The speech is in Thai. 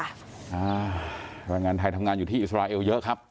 แรงงานไทยทำงานอยู่ที่อิสราเอลเยอะครับ